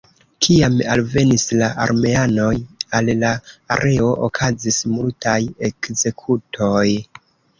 Kiam alvenis la armeanoj al la areo okazis multaj ekzekutoj.